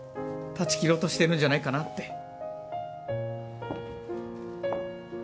断ち切ろうとしてるんじゃないかなって